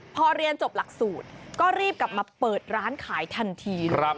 พอเรียนจบหลักสูตรก็รีบกลับมาเปิดร้านขายทันที